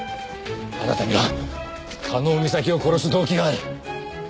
あなたには加納美咲を殺す動機がある。